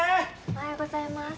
おはようございます。